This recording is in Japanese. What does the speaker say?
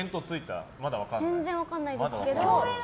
全然分かんないですけど。